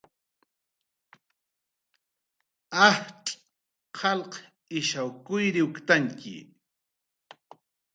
Ajtz' qalq ishaw kuyriwktantxi